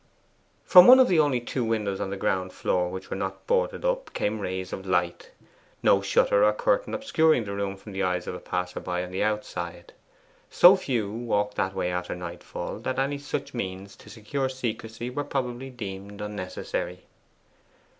From one of the only two windows on the ground floor which were not boarded up came rays of light, no shutter or curtain obscuring the room from the eyes of a passer on the outside. So few walked that way after nightfall that any such means to secure secrecy were probably deemed unnecessary.